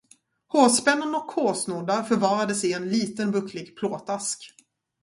Hårspännen och hårsnoddar förvarades i en liten bucklig plåtask.